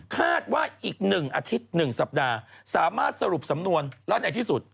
คาดว่าอีก๑อาทิตย์๑สัปดาห์สามารถสรุปสำนวนแล้วในที่สุด